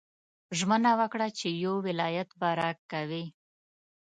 ژمنه وکړه چې یو ولایت به راکوې.